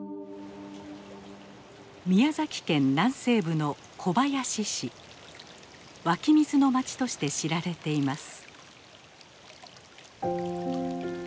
宮崎県南西部の湧き水の町として知られています。